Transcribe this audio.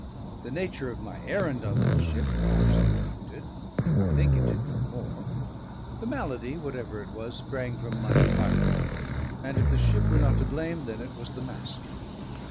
The nature of my errand on that ship perhaps contributed; I think it did no more; the malady (whatever it was) sprang from my environment; and if the ship were not to blame, then it was the Master.